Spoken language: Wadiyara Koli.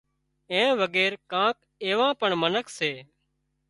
اين وڳير ڪانڪ ايوان پڻ منک سي